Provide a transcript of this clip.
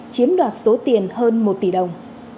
chiếm đoạt số tiền hơn một tỷ đồng